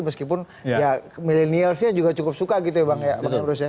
meskipun ya milenialsnya juga cukup suka gitu ya bang emrus ya